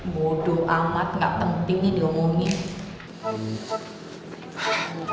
bodoh amat gak pentingnya diomongin